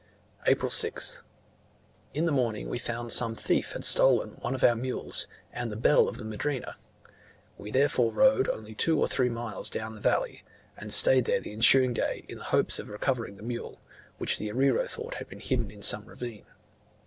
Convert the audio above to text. April 6th. In the morning we found some thief had stolen one of our mules, and the bell of the madrina. We therefore rode only two or three miles down the valley, and stayed there the ensuing day in hopes of recovering the mule, which the arriero thought had been hidden in some ravine.